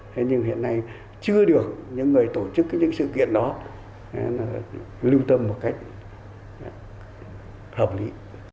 thế nhưng hiện nay chưa được những người tổ chức những sự kiện đó lưu tâm một cách hợp lý